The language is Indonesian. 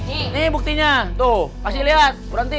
ini buktinya tuh